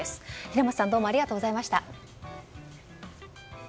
平松さんどうもありがとうございました。